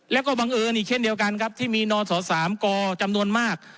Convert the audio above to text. แล้วก็บังเอิญอีกเช่นเดียวกันครับที่มีนศ๓กจำนวนมาก